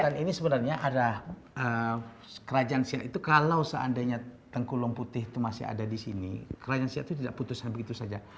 dan ini sebenarnya ada kerajaan siap itu kalau seandainya tengku long putih itu masih ada di sini kerajaan siap itu tidak putus sampai begitu saja